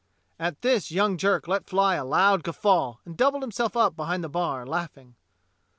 At this young Jerk let fly a loud guffaw and doubled himself up behind the bar, laughing.